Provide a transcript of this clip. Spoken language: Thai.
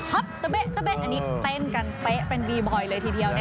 ครับตะเป๊ะตะเป๊ะอันนี้เต้นกันเป๊ะเป็นบีบอยเลยทีเดียวนะคะ